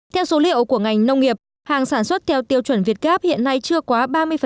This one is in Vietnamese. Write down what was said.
theo số liệu của ngành nông nghiệp hàng sản xuất theo tiêu chuẩn việt gáp hiện nay chưa quá ba mươi